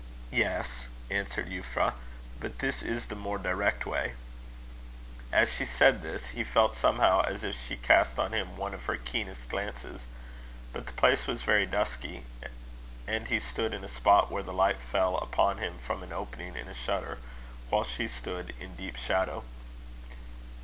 "Yes," answered Euphra; "but this is the more direct way." As she said this, he felt somehow as if she cast on him one of her keenest glances; but the place was very dusky, and he stood in a spot where the light fell upon him from an opening in a shutter, while she stood in deep shadow.